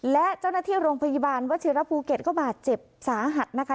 และเจ้าหน้าที่โรงพยาบาลวัชิระภูเก็ตก็บาดเจ็บสาหัสนะคะ